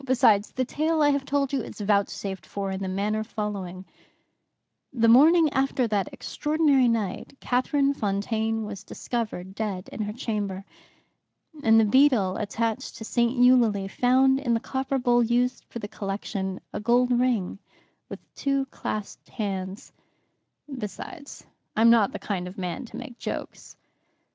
Besides, the tale I have told you is vouchsafed for in the manner following: "The morning after that extraordinary night Catherine Fontaine was discovered dead in her chamber. And the beadle attached to St. Eulalie found in the copper bowl used for the collection a gold ring with two clasped hands. Besides, I'm not the kind of man to make jokes.